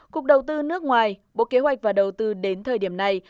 cục đầu tư nước ngoài bộ kế hoạch và đầu tư đến thời điểm này